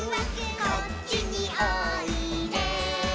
「こっちにおいで」